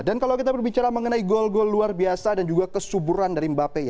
dan kalau kita berbicara mengenai gol gol luar biasa dan juga kesuburan dari mbappe